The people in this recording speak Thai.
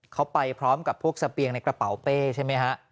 เขาไปพร้อมกับพวกสเปียงในกระเป๋าเป้ใช่ไหมฮะ